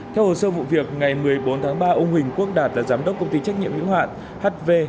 theo hồ sơ vụ việc ngày một mươi bốn tháng ba ông huỳnh quốc đạt là giám đốc công ty trách nhiệm hữu hạn hv